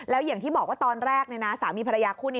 แล้วอย่างที่บอกว่าตอนแรกสามีภรรยาคู่นี้